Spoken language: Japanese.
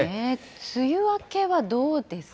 梅雨明けはどうですか。